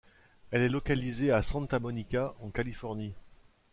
Elle est localisée à Santa Monica en Californie.